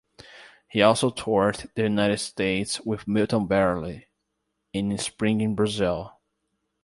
He also toured the United States with Milton Berle in "Spring in Brazil".